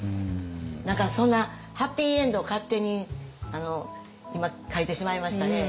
何かそんなハッピーエンドを勝手に今書いてしまいましたね。